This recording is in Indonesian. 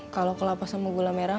kalau kelapa sama gula merah